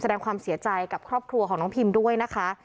แสดงความเสียใจกับครอบครัวของน้องพิมด้วยนะคะ